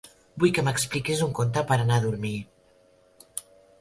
Vull que m'expliquis un conte per a anar a dormir.